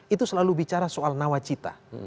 itu selalu bicara soal nawacita